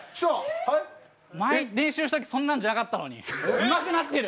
前、練習したときそんなんじゃなかったのに、うまくなってる！